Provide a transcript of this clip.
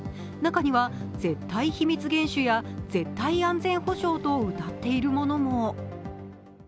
中には絶対秘密厳守や絶対安全保証とうたっているものも。